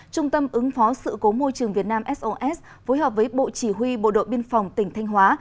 trung tâm ứng phó sự cố môi trường việt nam sos phối hợp với bộ chỉ huy bộ đội biên phòng tỉnh thanh hóa